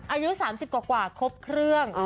อายุ๓๐กว่าครบเครื่อง